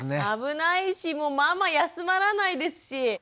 危ないしもうママ休まらないですし。